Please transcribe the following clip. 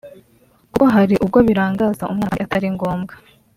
kuko hari ubwo birangaza umwana kandi atari ngombwa